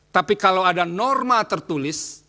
tapi kalau ada norma tertulis